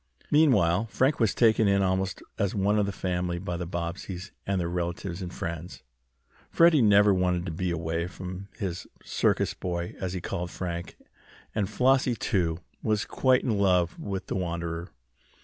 Meanwhile Frank was taken in almost as one of the family by the Bobbseys and their relatives and friends. Freddie never wanted to be away from his "circus boy," as he called Frank, and Flossie, too, was quite in love with the wanderer.